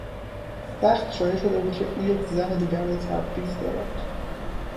سخت شایع شده بود که او یک زن دیگر در تبریز دارد.